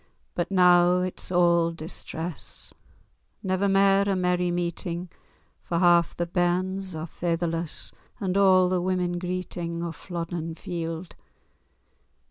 But noo it's a' distress— Never mair a merry meetin '; For half the bairns are faitherless, And a' the women greetin'. O Flodden Field!